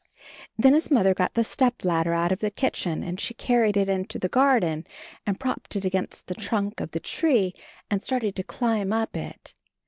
Then his Mother got the stepladder out of the kitchen and she carried it into the garden and propped it against the trunk of the tree and started to climb up it.